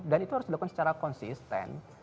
dan itu harus dilakukan secara konsisten